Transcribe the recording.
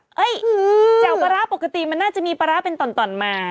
แจ่วปลาร้าปกติมันน่าจะมีปลาร้าเป็นต่อนมา